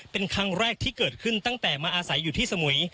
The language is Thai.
เป็นครั้งแรกที่เกิดขึ้นตั้งแต่มาอาศัยอยู่ที่สมุย